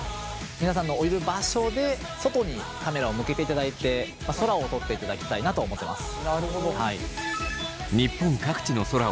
皆さんのいる場所で外にカメラを向けていただいて空を撮っていただきたいなと思ってます。